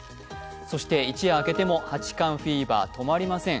そして一夜明けても八冠フィーバー止まりません。